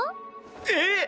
えっ！